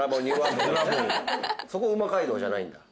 そこ「うま街道」じゃないんだ。